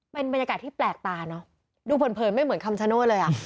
เป็นบรรยากาศที่แปลกตาเนอะดูเผินไม่เหมือนคำชโนธเลยอ่ะ